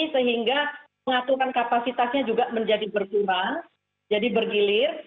sehingga mengatukan kapasitasnya juga menjadi berguna jadi bergilir